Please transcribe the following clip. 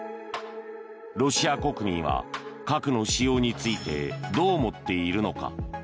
ロシア国民は、核の使用についてどう思っているのか。